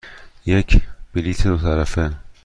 یک بلیط دو طرفه.